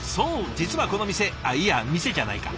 実はこの店あっいや店じゃないか。